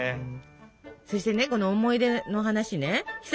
そしてねこの思い出の話ねひさ